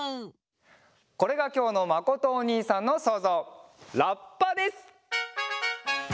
これがきょうのまことおにいさんのそうぞう「ラッパ」です！